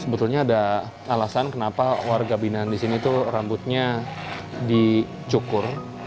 sebetulnya ada alasan kenapa warga binaan di sini itu rambutnya dicukur